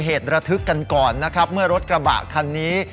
เหตุระทึกกันก่อนนะครับเมื่อรถกระบะคันนี้